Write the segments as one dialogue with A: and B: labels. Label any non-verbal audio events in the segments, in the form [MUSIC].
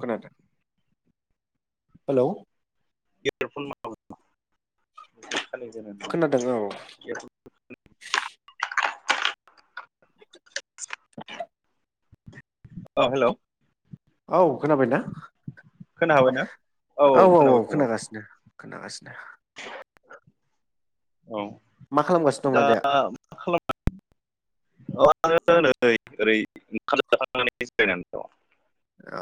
A: खोनादों? हेल'
B: [UNINTELLIGIBLE]
A: खोनादों औ
B: [UNINTELLIGIBLE] अ हेल'
A: औ खोनाबाय ना?
B: खोनना हाबायना? औ औ खोनाबाय फंबाय।
A: खोनागासिनो।
B: [INAUDIBLE]
A: मा खालामगासिनो दङ
B: दा
A: आदाया?
B: खालाम औ आ नै ओरै ओंखाम जाखनानै जिरायनानै दं।
A: अ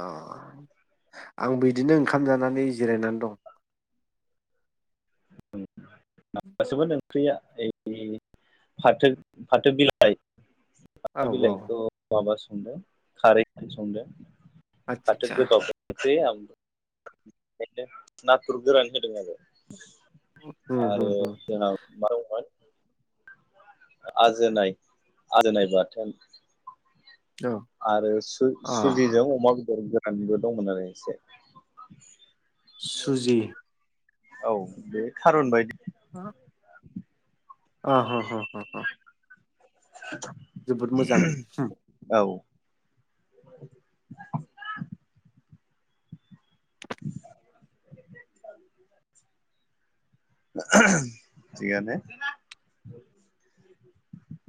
A: आं बिदिनो ओंखाम जानानै जिरायनानै दं।
B: मासोमोन ओंख्रिया ओइ फाथो फाथो बिलाइ
A: औ औ
B: [UNINTELLIGIBLE] खारैजों संदों।
A: आदसा
B: फाथो
A: आदसा
B: गोबाब ओंख्रि ओम नाथुर गोरान होदों आरो।
A: उम उम
B: आरो
A: उम
B: जोंना [UNINTELLIGIBLE] आजोनाय आजोनाय बाथोन।
A: औ
B: आरो
A: अ
B: सु-सुजिजों अमा बेदरजों [UNINTELLIGIBLE] दंमोन आरो एसे
A: सुजि
B: औ बे खारन बाय
A: हा अ ह' ह' ह'। जोबोद मोजां।
B: [INAUDIBLE] [INAUDIBLE] थिगानो।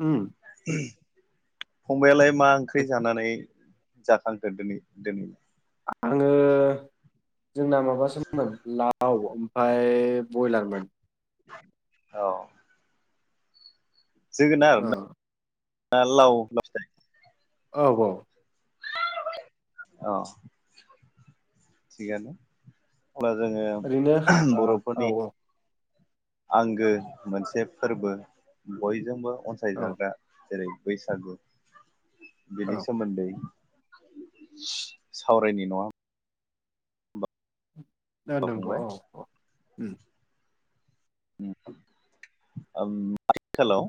A: उम
B: [INAUDIBLE] फंबाइ आलाय मा ओंख्रि जानानै जाखांदो दोनै दोनै
A: आङो जोंना माबासोमोन ला औ ओमफाय बयलारमोन।
B: औ। जोगोनार
A: ओ
B: ना ओ लाव
A: औ औ।
B: औ। गैयाना? अब्ला जोङो
A: ओरैनो ओ औ
B: बर'फोरनि आंगो मोनसे फोरबो बयजोंबो
A: औ
B: अनसायजाग्रा जेरै बैसागु
A: औ
B: बिनि सोमोनदै सावरायनि नङा
A: दा नंगौ
B: फंबाय
A: औ औ। उम।
B: आथिखालाव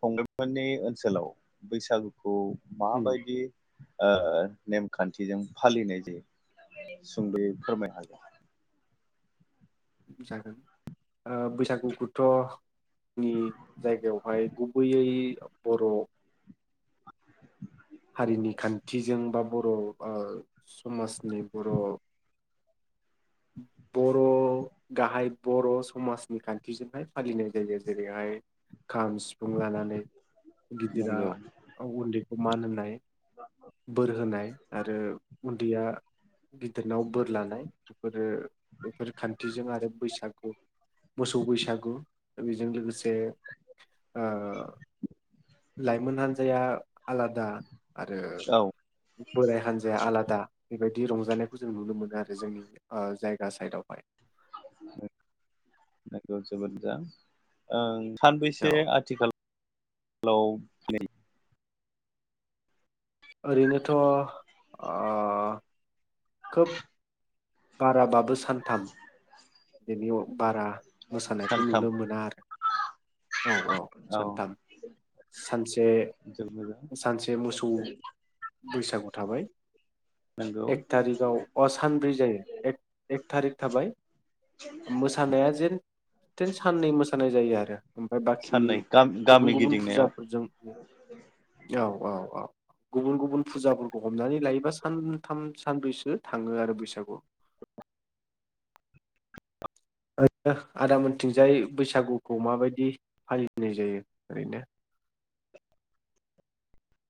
B: फंबायमोननि ओनसोलाव बैसागुखौ मा
A: उम
B: बायदि ओ नेमखान्थिजों फालिनाय जायो सुंद'यै फोरमाय हागोन।
A: जागोन। ओ बैसागुखौथ'नि जोंनि जायगायावहाय गुबैयै बर' हारिनि खान्थिजों बा बर' ओ समाजनि बर' बर' गाहाय बर' समाजनि खान्थिजोंहाय फालिनाय जायो जेरैहाय खाम सिफुं लानानै। गिदिरा
B: नंगौ
A: गाव उन्दैखौ मान होन फाय बोर होनाय आरो उन्दैया गिदिरनाव बोर लानाय बेफोरो बेफोर खान्थिजों आरो बैसागु मोसौ बैसागु बेजों लोगोसे ओ लाइमोन हान्जाया आलादा आरो
B: औ
A: बोराइ हान्जाया आलादा बेबायदि बिदि रंजानायखौ जों नुनो मोनो आरो जोंनि ओ जायगा साइदावहाय
B: नोंगौ जोबोद मोजां ओं
A: औ
B: सानबैसे आथिखाल हेल'
A: ओरैनोथ अ खोब बारा बाबो स सानथाम [UNINTELLIGIBLE] बारा मोसानायखौ
B: सानथाम
A: नुनो मोना आरो औ औ सानथाम सानसे
B: जोबोद मोजां
A: सानसे मोसौ बैसागु थाबाय
B: नंगौ
A: एक थारिकआव अ सानब्रै जायो। एक एक थारिक थाबाय मोसानाया जेन थेन साननै मोसानाय जायो आरो। ओमफाय बाखि
B: साननै
A: गुबुन
B: गामि
A: गुबुन
B: गिदिंनायाव
A: फुजाफोरजों औ औ औ गुबुन गुबुन फुजाफोरखौ हम हमनानै लायोबा सानथाम सानब्रैसो थाङो आरो बैसागु। ओ नो आदा मोनथिंजाय बैसागुखौ माबायदि फालिनाय जायो ओरैनो?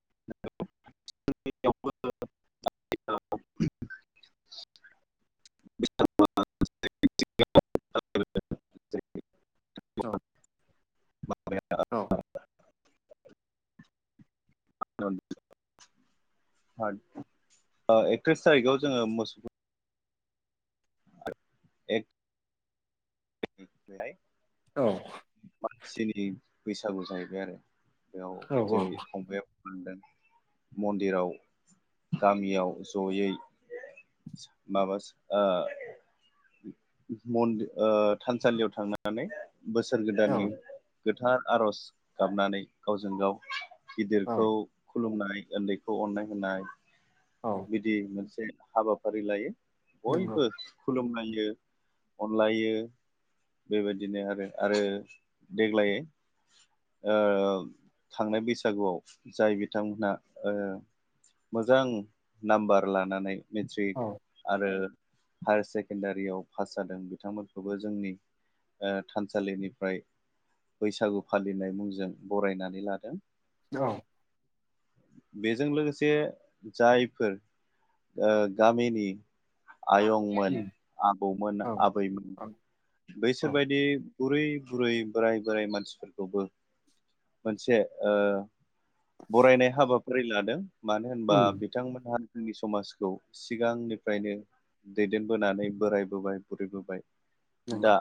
B: [UNINTELLIGIBLE]
A: औ औ
B: [UNINTELLIGIBLE] [UNINTELLIGIBLE] ओ एकथ्रिस थारिखआव जोङो मोसौ एक बेहाय
A: औ
B: मानसिनि बैसागु जाहैबाय आरो बेयाव
A: औ
B: जेरै फंबय मोनदों मन्दिराव गामियाव जयै माबा ओ मनदि ओ थानसालियाव थांनानै बोसोर
A: औ
B: गोदाननि गोथार आर'ज गाबनानै गावजों गाव
A: औ
B: गिदिरखौ खुलुमनाय उन्दैखौ अननाय होनाय-
A: औ
B: बिदि मोन से हाबाफारि लायो।
A: नंगौ
B: बयबो खलुमनाय। यो अनलायो बेबायदिनो आरो आरो देग्लायै ओ थांनाय बैसागुआव जाय बिथांमोनहा ओ मोजां नामबार लानानै- मेट्रिक
A: औ
B: आरो हायार सेकेण्डारियाव पास जादों बिथांमोनखौबो जोंनि ओ थानसालिनिफ्राय बैसागु फालिनाय मुंजों बरायनानै लादों।
A: औ
B: बेजों लोगोसे जाय फोर ओ गामिनि आयंमोन
A: उम
B: आबौमोन
A: औ औ
B: आबैमोन
A: औ
B: बैसोरबायदि बुरै बुरै बोराय बोराय मानसिफोरखौबो मोनसे ओ- बरायनाय हाबा फारि लादों। मानो होनबा
A: उम
B: बिथांमोनहा जोंनि समाजखौ सिगांनिफ्रायनो दैदेनबोनानै बोरायबोबाय बुरिबोबाय
A: नंगौ
B: दा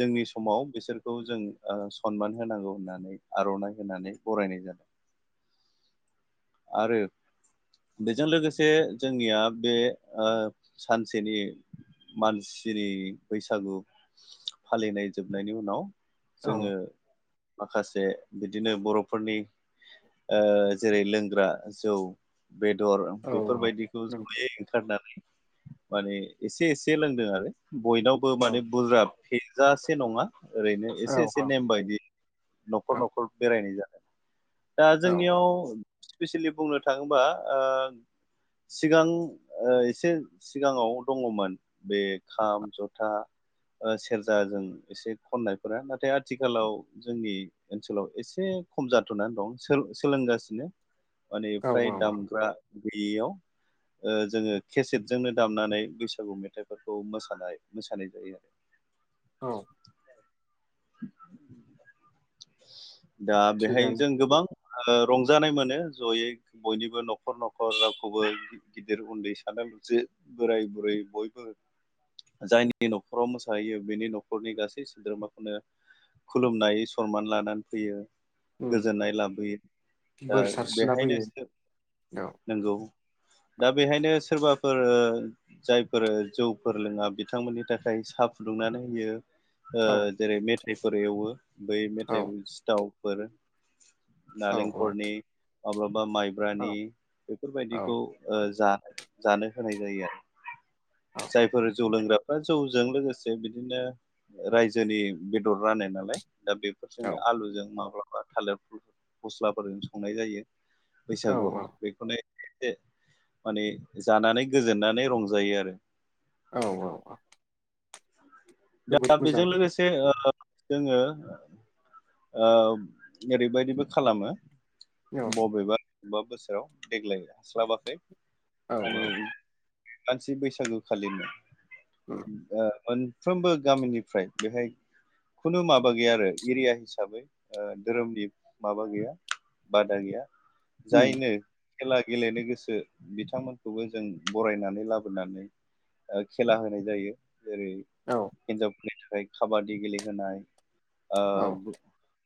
B: जोंनि समाव- बिसोरखौ जों ओ सनमान होनांगौ होनना आर'नाइ होनानै बरायनाय जादों आरो बेजों लोगोसे जोंनिया ओ बे सानसेनि मानसिनि बैसागु फालिनाय जोबनायनि उनाव
A: औ
B: जोंङो माखासे बिदिनो बर'फोरनि ओ जेरै लोंग्रा जौ बेदर
A: औ औ
B: बेफोरबायदिखौ
A: नंगौ
B: ज'यै ओंखारनानै माने एसे एसे लोंदों आरो बयनावबो
A: औ
B: माने बुरजाब फेजासे नङा, ओरैनो
A: औ
B: एसे
A: औ औ
B: एसे नेम बायदि। न'खर न'खर बेराय हैनाय जादों। दा
A: औ
B: जोंनियाव स्पेसियेलि बुंनो थांङोबा ओ सिगां एसे सिगांङाव दंङमोन बे खाम ज'था सेरजाजों एसे खननायफोरा नाथाय आथिखालाव जोंनि ओनसोलाव एसे खम जाथ'नानै दं सोलोंगासिनो। माने फ्राय
A: औ औ
B: दामग्रा गैयैयाव जोङो केसेटजोंनो दामनानै बैसागु मेथाइफोरखौ मोसानाय मोसानाय जायो आरो।
A: औ
B: [INAUDIBLE] [INAUDIBLE] दा बेहाय
A: थिगानो
B: जों गोबां ओ रंजानाय मोनो जयै बयनिबो न'खर न'खर रावखौबो गिदिर उन्दै सानालसे बोराय बुरै बयबो जायनि न'खराव मोसाहैयो बेनि न'खरनि गासै सोद्रोमाखौनो खुलुमो सनमान लानानै फैयो।
A: उम
B: गोजोननाय लाबोयो दा
A: बोर सारस्रिना फैयो
B: बेहायनोसो
A: औ
B: नंगौ। दा बेहायनो सोरबाफोर जायफोर जौफोर लोंङा बिथांमोननि थाखाय साहा फुदुंनानै होयो। ओ
A: औ
B: जेरै मेथाइफोर एवो। बै
A: औ
B: मेथाइ सिथाव [UNINTELLIGIBLE]
A: औ
B: नालेंखरनि [UNINTELLIGIBLE] बा माइब्रानि
A: औ
B: बेफोर
A: औ
B: बायदिखौ जा जानो होनाय जायो
A: औ
B: आरो। जायफोर जौ लोंग्राफ्रा जौजों लोगोसे बिदिनो रायजोनि बेदर रानो नालाय। दा
A: औ
B: बेफोरजोंनो आलुजों माब्ला थालिर फुल फस्लाफोरजों संनाय जायो।
A: औ
B: बैसागुआव बेखौनो। एसे माने जानानै गोजोननानै रंजायो आरो।
A: औ औ औ। जोबोद
B: दा
A: मोजां
B: बेजों लोगोसे जोंङो। ओ ओरै बायदिबो खालामो।
A: औ
B: बबेबा बबेबा बोसोराव देग्लाय हास्लाबाखै।
A: औ
B: आरो।
A: औ
B: मानसि बैसागो खालिनो। ओ मोन मोनफ्रोमबो गामिनिफ्राय बेहाय खुनु माबा गैया आरो एरिया हिसाबै हिसाबै धोरोमनि माबा गैया बादा गैया।
A: उम
B: जायनो खेला गेलेनो गोसो बिथांमोनखौबो जों बरायनानै लाबोनानै ओ खेला होनाय जायो। जेरै
A: औ
B: हिनजाव। बेनि थाखाय खाबादि गेलेहोनाय।
A: औ
B: ओ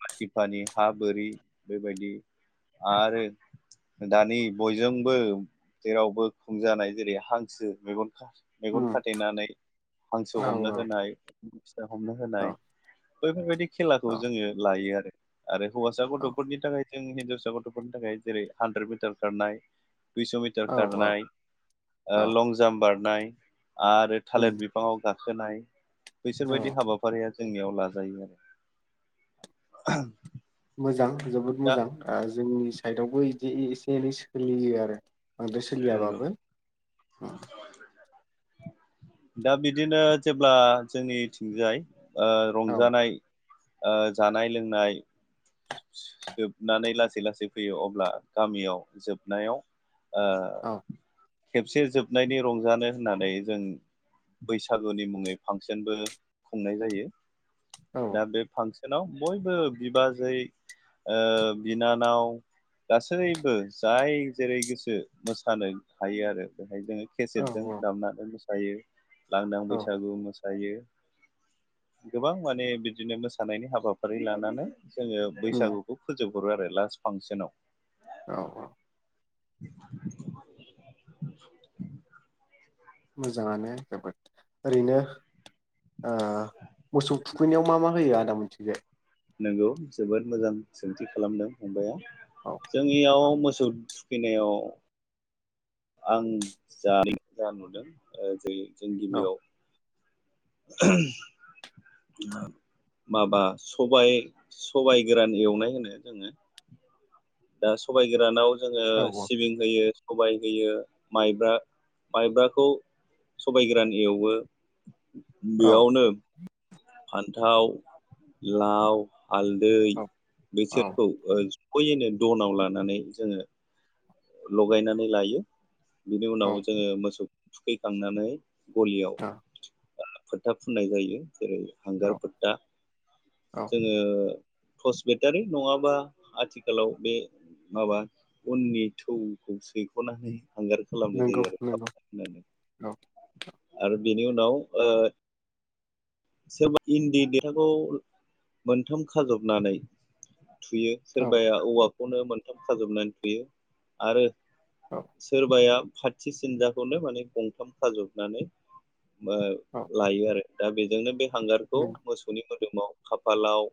B: आथिफानि हा बोरि बेबायदि आरो दानि बयजोंबो जेरावबो खुंजानाय जेरै हांसो मेगनखा मेगन
A: उम
B: खाथेनानै हांसो
A: औ
B: हमनो
A: औ
B: होनाय। [INAUDIBLE] हमनो
A: औ
B: होनाय। बैफोरबायदि खे जोङो लायो आरो। आरो हौवासा गथ'फोरनि थाखाय जों हिनजावसा गथ'फोरनि थाखाय जेरै हानद्रेद मिटार खारनाय। दुइस' मिटार
A: औ औ
B: खारनाय ओ
A: औ
B: लं जाम बारनाय। [INAUDIBLE] आरो
A: उम
B: थालिर बिफांआव गा खोनाय।
A: औ
B: बैसोरबायदि हाबाफारिया जोंनियाव लाजायो आरो। [INAUDIBLE]
A: मोजां। जोबोद
B: दा
A: मोजां ओ जोंनि साइदावबो इदि एसे एनै सोलियो आरो। बांद्राय
B: नंगौ
A: सोलियाबाबो।
B: दा बिदिनो जेब्ला जोंनिथिंजाय ओ
A: औ
B: रंजानाय ओ जानाय लोंनाय जोबनानै लासै लासै फैयो अब्ला गामियाव जोबनायाव ओ।
A: औ
B: खेबसे जोबनायनि रंजानो होननानै जों बैसागुनि मुङै फांसनबो खुंनाय जायो। दा
A: औ
B: बे फांस सनाव बयबो बिबाजै ओ बिनानाव गासैबो जाय जेरै गोसो मोसानो हायो आरो। जोङो केसेटजों
A: औ
B: दामना हायो। लांदां
A: औ
B: बैसागु मोस दायो गोबां माने बिदिनो मोसानायनि हाबाफारि लानानै जोङो
A: उम
B: बैसागुखौ फोजोब हरो आरो लास्ट फांसनाव।
A: औ औ।
B: [INAUDIBLE]
A: मोजाङानो जोबोद ओरैनो ओ मोसौ थुखैनायाव मा मा होयो आदा मोनथि
B: नोंगौ जोबोद मोजां सोंथि खालामदों फंबाया।
A: औ
B: जोंनियाव मो सौ थुखैनायाव। आं जा जा नुदों ओ जे जों
A: औ
B: गिबियाव। [UNINTELLIGIBLE] माबा सबाय सबाय गोरान एवनाय होनो जोङो। दा सबाय गोरानाव। जोङो
A: औ
B: सिबिं होयो। सबाय होयो माइब्रा माइब्राखौ सबाय गोरान एवो।
A: औ
B: बेयावनो। फान्थाव लाव। हालदै
A: औ औ
B: बेसोरखौ होयोनो दनाव लानानै जोङो। लगायनानै लायो। बिनि उनाव
A: औ
B: जोङो मोसौ। थुखैखांनानै। गलियाव।
A: औ
B: [UNINTELLIGIBLE] फोथा फुननाय जायो जेरै हांगार
A: औ
B: फोथ्था
A: औ
B: जोङो। टर्स बेटारि नङाबा आथिखालाव बे माबा उननि। थौखौ सैख'नानै। हांगार खालामनाय
A: नंगौ
B: जायो आरो थाब
A: नंगौ
B: होनानै।
A: औ
B: आरो बिनि उनाव ओ। सोरबा इन्दि देथाखौ मोनथाम खाजबनानै। थुयो
A: औ
B: सोरबाया औवा। खौनो मोनथाम खाजोबनानै थुयो आरो।
A: औ
B: सोरबाया। खाथि सिनजाखौनो माने गंथाम खाजबनानै। मो
A: औ
B: लायो आरो। दा बे। नोंनो बे। हांगारखौ
A: नंगौ
B: मोसौनि मो मोदोमाव खाफालाव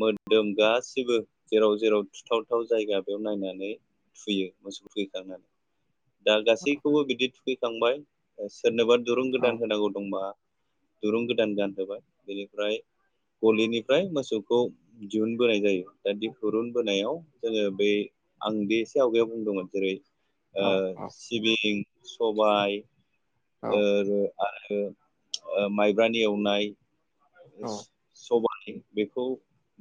B: मोदोम गासिबो जेराव जेराव थुथावथाव जायगा बेयाव नायनानै थुयो मोसौ थुखैखांनानै दा
A: औ
B: गासैखौबो बिदि थुखै थांबाय ओ सोरनोबा दुरुं
A: औ
B: गोदान होनांगौ दंबा दुरुं गो दान गान होबाय बेनिफ्राय गलिनिफ्राय मोसौखौ दिहुन बोनाय जायो दा दिुरुन बोनायाव जोङो बै आं बे एसे आवगायाव बुंदोंमोन जेरै ओ
A: औ औ
B: सिबिं सबाय
A: औ
B: ओरो आरो ओ माइ ख्रानि एवनाय [UNINTELLIGIBLE]
A: औ
B: सबाय बेखौ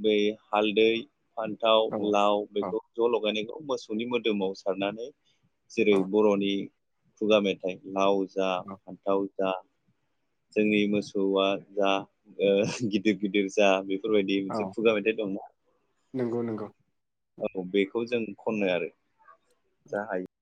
B: बै हालदै फान्थाव
A: औ
B: लाव बेखौ ज' लगायनाय खौ मोसौनि मोदोमाव सारनानै जेरै बर'नि खुगा मेथाइ लाव जा
A: औ
B: फान्थाव जा जोंनि मोसौ हौवा जा ओ गिदिर गिदिर जा बे बफोरबायदि
A: औ
B: मोनसे खुगा मेथाइ दंना
A: नंगौ नंगौ
B: औ बेखौ जों खनो आरो जा हायो